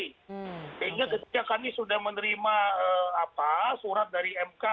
sehingga ketika kami sudah menerima surat dari mk